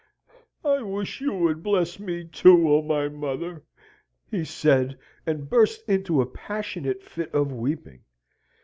"I wish you would bless me, too, O my mother!" he said, and burst into a passionate fit of weeping.